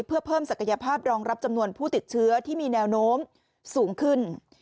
เพื่อเพิ่มศักยภาพรองรับจำนวนผู้ติดเชื้อที่มีแนวโน้มสูงขึ้น